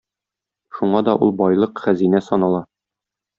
Шуңа да ул байлык, хәзинә санала.